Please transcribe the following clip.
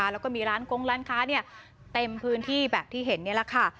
แล้วก็มีร้านกงร้านค้าเต็มพื้นที่แบบที่เห็นนี่แหละค่ะ